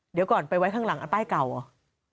เดี๋ยวก่อนไปไว้ข้างหลังอันป้ายเก่าเหรอ